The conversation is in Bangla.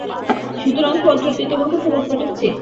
সুতরাং পত্রটি তোমাকে ফেরত পাঠাচ্ছি।